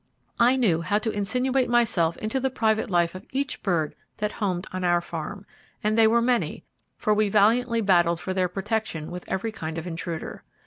I knew how to insinuate myself into the private life of each bird that homed on our farm, and they were many, for we valiantly battled for their protection with every kind of intruder.